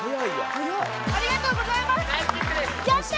ありがとうございます。